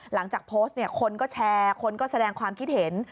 หลังจากโพสต์เนี่ยคนก็แชร์คนก็แสดงความคิดเห็น